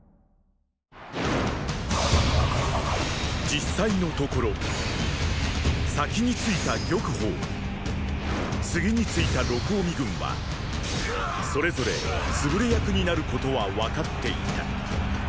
実際のところ先に着いた玉鳳次に着いた録嗚未軍はそれぞれつぶれ役になることは分かっていた。